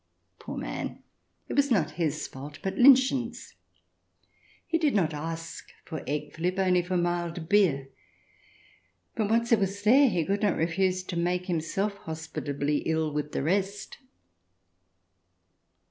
Poor man! It was not his fault, but Linchen's. He did not ask for egg flip, only for mild beer, but once it was there he could not refuse to make himself hospitably ill with the rest.